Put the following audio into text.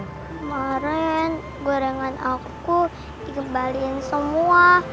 kemaren gorengan aku dikembalikan semua